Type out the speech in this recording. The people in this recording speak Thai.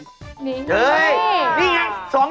นี่เจ๊ยเห้ยนี่ไง